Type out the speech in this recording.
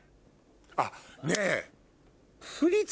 あっねぇ！